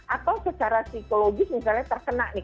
atau secara psikologis misalnya terkena nih